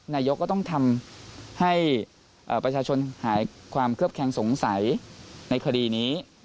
นายกก็ต้องทำให้ประชาชนหายความเคลือบแคงสงสัยในคดีนี้